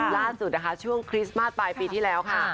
ล่าสุดนะคะช่วงคริสต์มาสปลายปีที่แล้วค่ะ